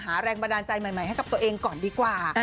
แรงบันดาลใจใหม่ให้กับตัวเองก่อนดีกว่า